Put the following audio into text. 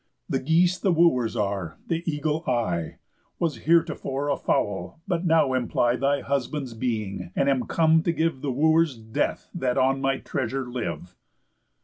The geese the Wooers are, the eagle, I, Was heretofore a fowl, but now imply Thy husband's being, and am come to give The Wooers' death, that on my treasure live.